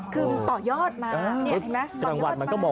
คืนต่อยอดมานี่เห็นไหม